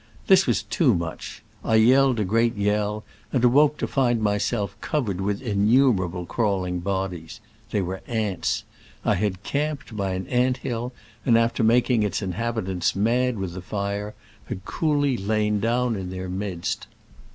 This was too much : I yelled a great yell, and awoke to find myself covered with innumerable crawling bodies : they were ants. I had camped by an ant hill, and, after making its in habitants mad with the fire, had coolly lain down in their midst.